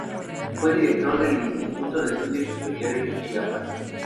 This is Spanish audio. Fue director del Instituto de Estudios Superiores de Chiapas.